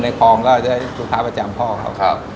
ในคลองก็ได้ลูกค้าประจำพ่อเขา